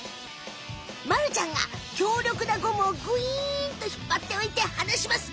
まるちゃんが強力なゴムをぐいんとひっぱっておいてはなします。